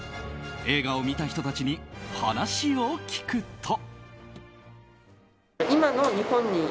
映画を見た人たちに話を聞くと。